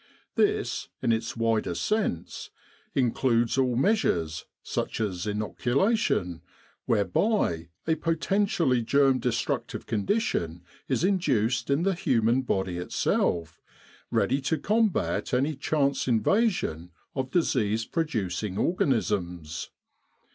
This, in its widest sense, includes all measures, such as inoculation, whereby a potentially germ destructive condition is induced in the human body itself, ready to combat any chance invasion of disease producing organisms.